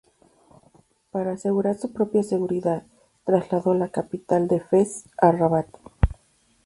Para asegurar su propia seguridad, trasladó la capital de Fez a Rabat.